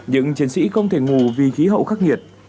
những chiến sĩ không thể ngủ vì khí hậu khắc nghiệt